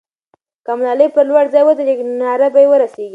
که ملالۍ پر لوړ ځای ودرېږي، نو ناره به یې ورسېږي.